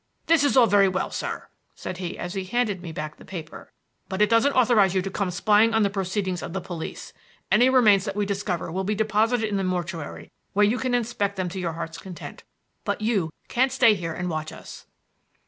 "This is all very well, sir," said he as he handed me back the paper, "but it doesn't authorize you to come spying on the proceedings of the police. Any remains that we discover will be deposited in the mortuary, where you can inspect them to your heart's content; but you can't stay here and watch us."